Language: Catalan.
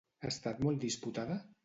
Ha estat molt disputada?